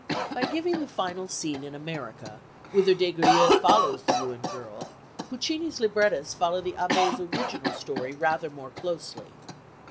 By giving the final scene in America, whither Des Grieux follows the ruined girl, Puccini's librettists follow the Abbe's original story rather more closely.